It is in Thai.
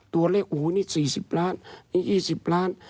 ตัวเลขโอ้โหนี่๔๐ล้านนี่๒๐ล้าน